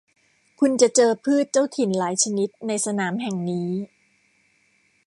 คุณจะเจอพืชเจ้าถิ่นหลายชนิดในสนามแห่งนี้